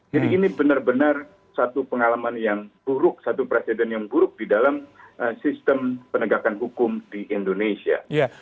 jadi ini benar benar satu pengalaman yang buruk satu presiden yang buruk di dalam sistem penegakan hukum di indonesia